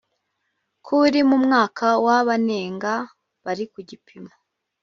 kuri mu mwaka wa abanenga bari ku gipimo